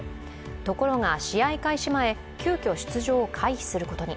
ところが試合開始前急きょ出場を回避することに。